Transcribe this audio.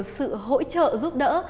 sự hỗ trợ giúp đỡ